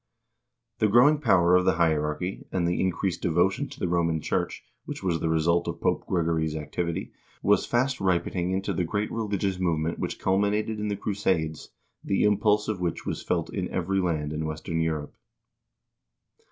* The growing power of the hierarchy, and the increased devotion to the Roman Church, which was the result of Pope Gregory's activity, was fast ripening into the great religious movement which culminated in the crusades, the impulse of which was felt in every land in western Europe.